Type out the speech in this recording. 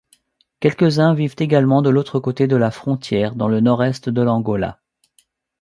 Quelques-uns vivent également de l'autre côté de la frontière, dans le nord-est de l'Angola.